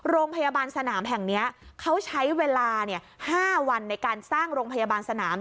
โรงพยาบาลสนามแห่งนี้เขาใช้เวลา๕วันในการสร้างโรงพยาบาลสนาม